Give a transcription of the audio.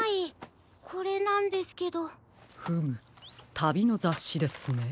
たびのざっしですね。